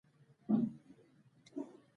سیلابونه د افغانستان د ځمکې د جوړښت یوه نښه ده.